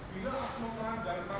bisa diminta itu akan menjawabkan